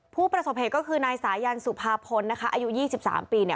ผู้ประสบเหตุก็คือนายสายันสุภาพลนะคะอายุ๒๓ปีเนี่ย